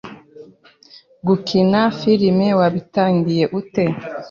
Gukina firime wabitangiye ute